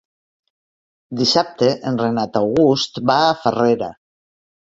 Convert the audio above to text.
Dissabte en Renat August va a Farrera.